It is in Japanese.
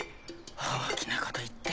大きなこと言って。